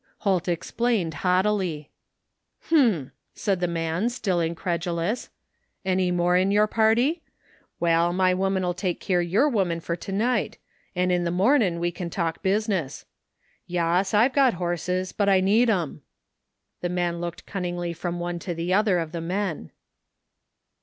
Holt explained haughtily. " H'm !" said the man still incredulous. " Any more in your party ? Wal, my woman'U take keer your woman fer t'night, an* in the momin' we ken talk business. Yas, IVe got horses, but I need *em." The man looked cunningly from one to the other of the men.